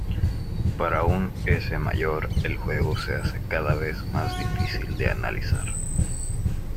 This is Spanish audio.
Para un "S" mayor el juego se hace cada vez más difícil de analizar.